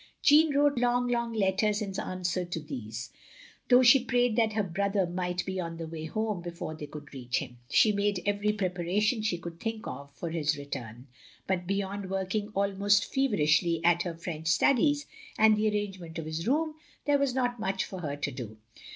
..." Jeanne wrote long, long letters in answer to these, though she prayed that her brother might be on the way home before they could reach him. She made every preparation she cotild think of, for his return; but beyond working almost feverishly at her French studies, and the arrange ment of his room, there was not much for her to do.